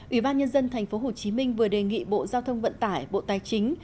ủy ban nhân dân tp hcm vừa đề nghị bộ giao thông vận tải bộ tài chính